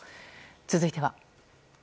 続いては。